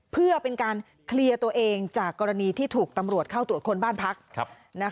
เพื่อเป็นการเคลียร์ตัวเองจากกรณีที่ถูกตำรวจเข้าตรวจคนบ้านพัก